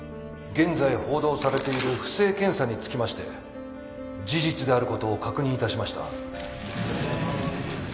現在報道されている不正検査につきまして事実であることを確認いたしました。